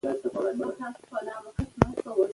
که ماشوم ته په خپله ژبه موضوع تشریح کړل سي، نه ګنګس کېږي.